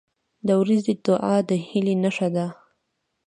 • د ورځې دعا د هیلې نښه ده.